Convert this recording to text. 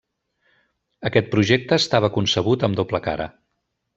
Aquest projecte estava concebut amb doble cara.